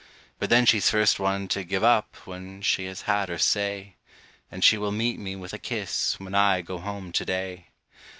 But then she's first one to give up when she has had her say; And she will meet me with a kiss, when I go home to day.